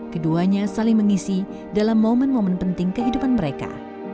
keduanya saling mengisi dalam momen momen penting kehidupan mereka